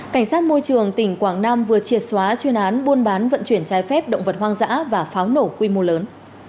cảnh sát môi trường tỉnh quảng nam vừa triệt xóa chuyên án buôn bán vận chuyển trái phép động vật hoang dã và pháo nổ quy mô lớn